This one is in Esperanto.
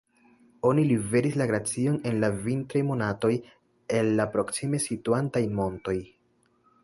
Oni liveris la glacion en la vintraj monatoj el la proksime situantaj montoj.